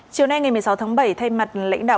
chiều nay ngày một mươi sáu tháng bảy thay mặt lãnh đạo